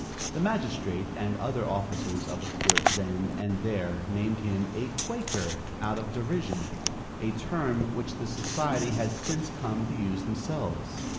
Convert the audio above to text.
The magistrate and other officers of the court then and there named him a "Quaker" out of derision, a term which the society have since come to use themselves.